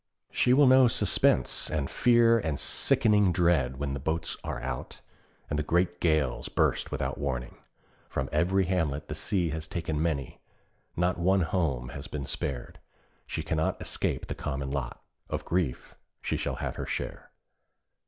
She will know suspense and fear and sickening dread when 'the boats are out,' and the great gales burst without warning. From every hamlet the sea has taken many; not one home has been spared. She cannot escape the common lot; of grief she shall have her share.